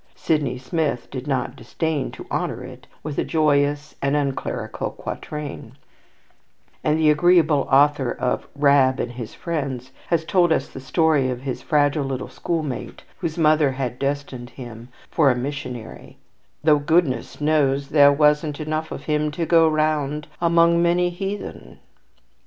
Sydney Smith did not disdain to honour it with a joyous and unclerical quatrain; and the agreeable author of "Rab and his Friends" has told us the story of his fragile little schoolmate whose mother had destined him for a missionary, "though goodness knows there wasn't enough of him to go around among many heathen."